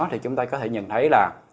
thì chúng ta có thể nhận thấy là